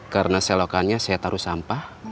karena selokannya saya taruh sampah